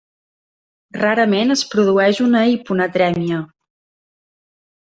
Rarament es produeix una hiponatrèmia.